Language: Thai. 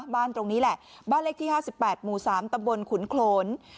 บ้านตรงนี้แหละบ้านเลขที่ห้าสิบแปดหมู่สามตะบนขุนโคน